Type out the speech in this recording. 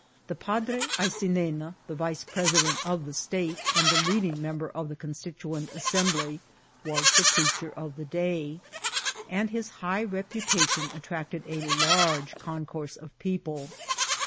The Padre Aycinena, the vice president of the state, and the leading member of the Constituent Assembly, was the preacher of the day, and his high reputation attracted a large concourse of people.